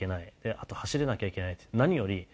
あと走れなきゃいけないって。